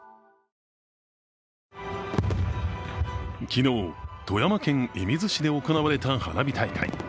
昨日、富山県射水市で行われた花火大会。